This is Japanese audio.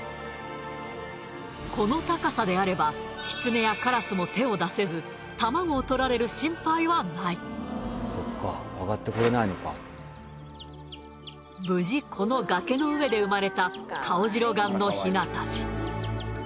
この高さであればキツネやカラスも手を出せず卵をとられる心配はない無事この崖の上で生まれたカオジロガンのヒナたち